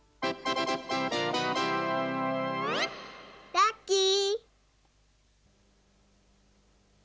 ラッキー！